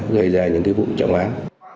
gây ra những cái vụ trọng án